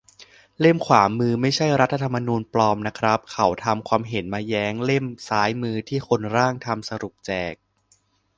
เล่มขวามือไม่ใช่รัฐธรรมนูญปลอมนะครับ เขาทำความเห็นมาแย้งเล่มซ้ายมือที่คนร่างทำสรุปแจก